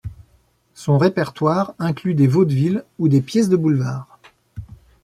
Son répertoire inclut des vaudevilles ou des pièces de boulevard.